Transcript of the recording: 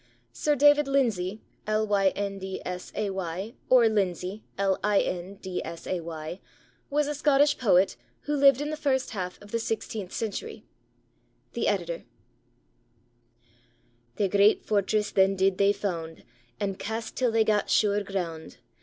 Sir David Lyndsay, or Lindsay, was a Scottish poet who lived in the first half of the sixteenth century. The Editor.] Their great fortress then did they found, And cast till they gat sure ground.